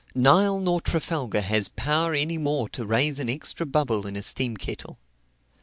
Nile nor Trafalgar has power any more to raise an extra bubble in a steam kettle.